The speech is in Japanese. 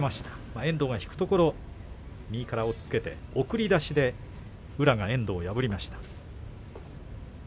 遠藤が引くところを右から押っつけて送り出して宇良が遠藤を破っています。